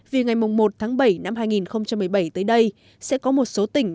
vì ngày một tháng bảy năm hai nghìn một mươi bảy tới đây sẽ có một số tỉnh